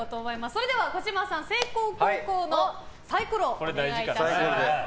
それでは児嶋さん、先攻・後攻のサイコロをお願いします。